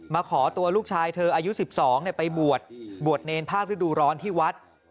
มาขอตัวลูกชายเธออายุ๑๒ไปบวชบวชเนรภาคฤดูร้อนที่วัด